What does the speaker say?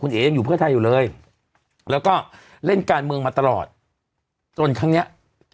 เอ๋ยังอยู่เพื่อไทยอยู่เลยแล้วก็เล่นการเมืองมาตลอดจนครั้งเนี้ย